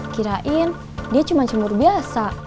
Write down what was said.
kirain dia cuma jemur biasa